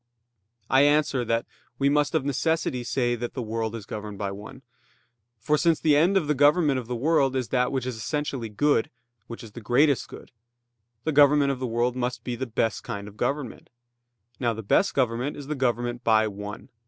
I answer that, We must of necessity say that the world is governed by one. For since the end of the government of the world is that which is essentially good, which is the greatest good; the government of the world must be the best kind of government. Now the best government is the government by one.